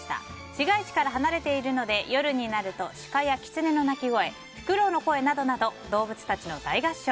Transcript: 市街地から離れているので夜になるとシカやキツネの鳴き声フクロウの声などなど動物たちの大合唱。